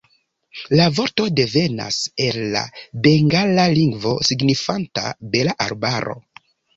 La vorto devenas el la bengala lingvo signifanta "bela arbaro".